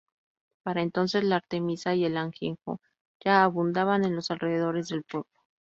Para entonces la artemisa y el ajenjo ya abundaban en los alrededores del pueblo.